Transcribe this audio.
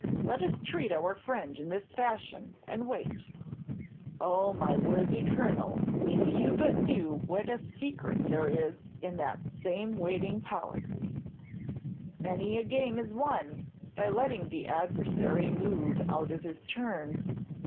Let us treat our friend in this fashion, and wait. Oh, my worthy Colonel, if you but knew what a secret there is in that same waiting policy. Many a game is won by letting the adversary move out of his turn."